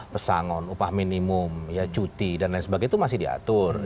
pesangon upah minimum cuti dan lain sebagainya itu masih diatur